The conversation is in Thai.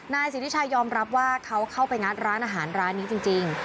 นายสิทธิชัยยอมรับว่าเขาเข้าไปงัดร้านอาหารร้านนี้จริง